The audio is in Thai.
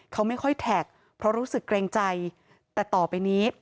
เขาไม่ค่อยแท็กเพราะรู้สึกเกรงใจแต่ต่อไปนี้